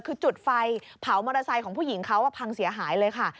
คือจุดไฟเผามอเตอร์ไซค์ของผู้หญิงเขาพังเสียหายเลยค่ะ